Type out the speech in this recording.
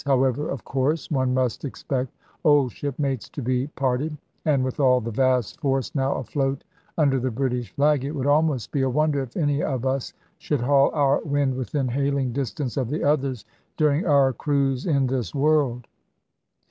However, of course one must expect old shipmates to be parted; and with all the vast force now afloat under the British flag, it would almost be a wonder if any of us should haul our wind within hailing distance of the others during our cruise in this world.